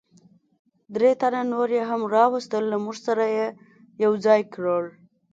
درې تنه نور یې هم را وستل، له موږ سره یې یو ځای کړل.